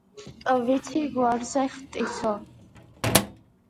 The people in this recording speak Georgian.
კვიცი გვარზე ხტისო